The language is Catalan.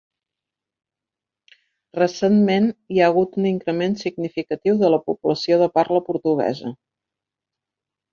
Recentment, hi ha hagut un increment significatiu de la població de parla portuguesa.